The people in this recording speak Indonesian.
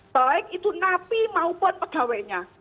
baik itu napi maupun pegawainya